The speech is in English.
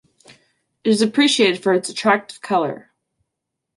It is appreciated for its attractive color.